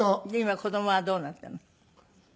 で今子供はどうなったの？